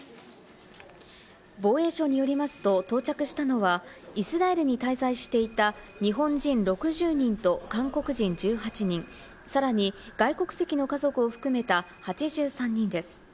防衛省によりますと、到着したのはイスラエルに滞在していた日本人６０人と韓国人１８人、さらに外国籍の家族を含めた８３人です。